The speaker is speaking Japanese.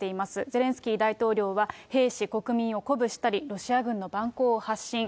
ゼレンスキー大統領は、兵士、国民を鼓舞したり、ロシア軍の蛮行を発信。